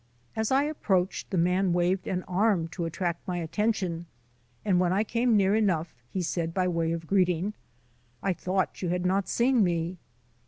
As I ap proached the man waved an arm to attract my attention and when I came near enough he said by way of greeting: "I thought you had not seen me."